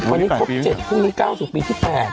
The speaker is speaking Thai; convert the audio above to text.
วันนี้คบ๗คุณนี้ก้าวสุดปี๑๘